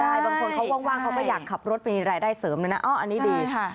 ใช่บางคนเขาว่างเขาก็อยากขับรถมีรายได้เสริมด้วยนะอันนี้ดี